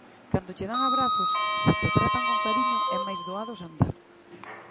Cando che dan abrazos, se te tratan con cariño, é máis doado sandar.